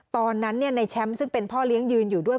ตอนนั้นในแชมป์ซึ่งเป็นพ่อเลี้ยงยืนอยู่ด้วย